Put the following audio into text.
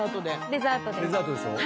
デザートで。